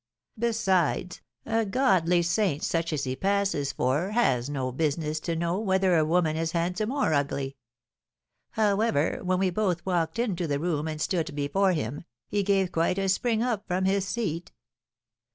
Besides, a godly saint such as he passes for has no business to know whether a woman is handsome or ugly. However, when we both walked into the room and stood before him, he gave quite a spring up from his seat.